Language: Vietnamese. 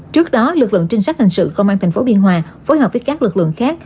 trước đó lực lượng trinh sát hình sự công an tp biên hòa phối hợp với các lực lượng khác